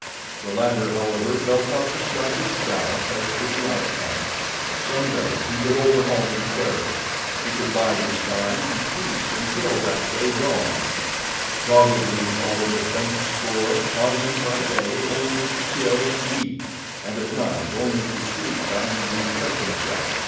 The latter, however, felt not the slightest doubt as to the outcome. Some day he would overhaul his quarry—he could bide his time in peace until that day dawned. Doggedly he followed the faint spoor, pausing by day only to kill and eat, and at night only to sleep and refresh himself.